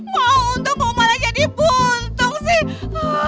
mau untung kok malah jadi buntung sih